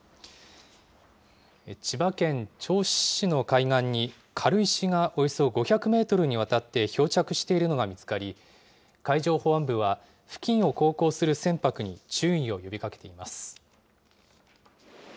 千葉県銚子市の海岸に軽石がおよそ５００メートルにわたって漂着しているのが見つかり、海上保安部は、付近を航行する船舶に注意を呼びかけています。